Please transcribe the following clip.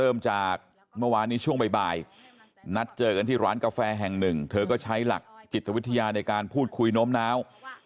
เริ่มจากเมื่อวานนี้ช่วงบ่ายนัดเจอกันที่ร้านกาแฟแห่งหนึ่งเธอก็ใช้หลักจิตวิทยาในการพูดคุยโน้มน้าว